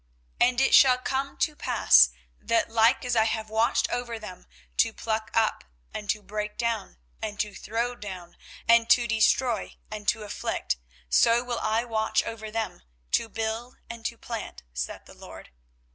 24:031:028 And it shall come to pass, that like as I have watched over them, to pluck up, and to break down, and to throw down, and to destroy, and to afflict; so will I watch over them, to build, and to plant, saith the LORD.